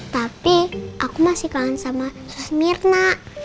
tapi aku masih kangen sama susmirna